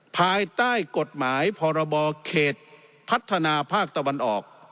ภายใต้กฎหมายพรบเขตพัฒนาภาคตะวันออก